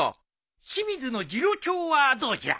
清水次郎長はどうじゃ？